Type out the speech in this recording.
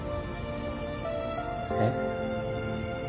えっ？